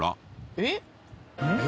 えっ？